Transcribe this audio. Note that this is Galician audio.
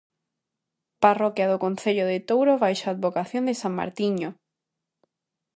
Parroquia do concello de Touro baixo a advocación de san Martiño.